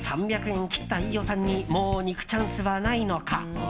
３００円切った飯尾さんにもう肉チャンスはないのか。